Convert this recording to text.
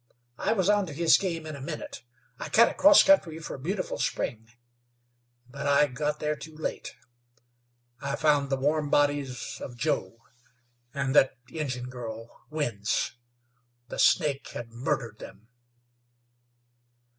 I was onto his game in a minute. I cut across country fer Beautiful Spring, but I got there too late. I found the warm bodies of Joe and thet Injun girl, Winds. The snake hed murdered them."